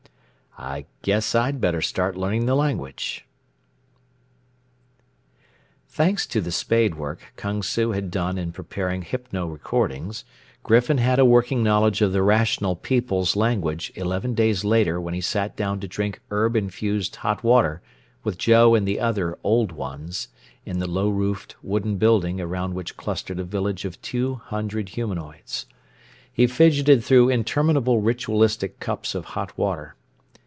"I guess I'd better start learning the language." Thanks to the spade work Kung Su had done in preparing hypno recordings, Griffin had a working knowledge of the Rational People's language eleven days later when he sat down to drink herb infused hot water with Joe and other Old Ones in the low roofed wooden building around which clustered a village of two hundred humanoids. He fidgeted through interminable ritualistic cups of hot water.